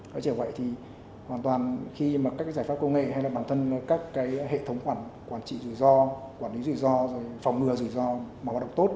nói chẳng vậy thì hoàn toàn khi mà các cái giải pháp công nghệ hay là bản thân các cái hệ thống quản trị rủi ro quản lý rủi ro phòng ngừa rủi ro mà hoạt động tốt